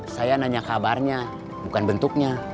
saya nanya kabarnya bukan bentuknya